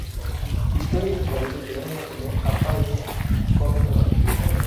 Victoria y su marido llegaron a tener affairs con otras personas.